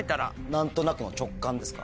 何となくの直感ですか？